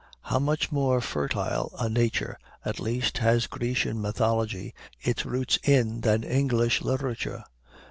How much more fertile a Nature, at least, has Grecian mythology its root in than English literature!